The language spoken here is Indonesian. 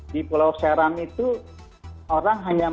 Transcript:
di pulau seram itu orang hanya melakukan